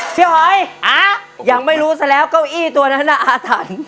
หอยยังไม่รู้ซะแล้วเก้าอี้ตัวนั้นน่ะอาถรรพ์